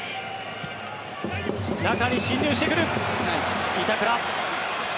中に進入してくる！